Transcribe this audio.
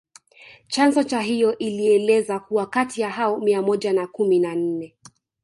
Chanzo cha hiyo ilieleza kuwa kati ya hao mia moja na kumi na nne